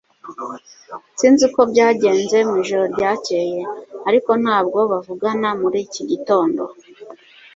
Sinzi uko byagenze mwijoro ryakeye, ariko ntabwo bavugana muri iki gitondo.